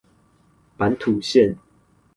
板土線